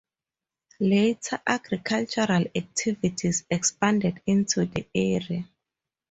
Later, agricultural activities expanded into the area.